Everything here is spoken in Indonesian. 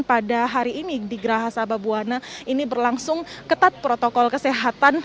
pada hari ini di geraha sababwana ini berlangsung ketat protokol kesehatan